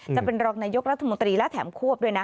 จะเป็นรองนายกรัฐมนตรีและแถมควบด้วยนะ